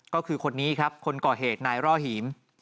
ก็คือคนนี้ครับคนก่อเหตุนายร่อหิม